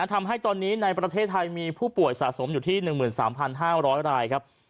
ทำให้ตอนนี้ในประเทศไทยมีผู้ป่วยสะสมอยู่ที่๑๓๕๐๐รายครับ